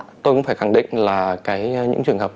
tôi cũng phải khẳng định là những trường hợp